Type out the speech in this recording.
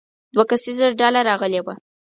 دوه کسیزه ډله راغلې وه.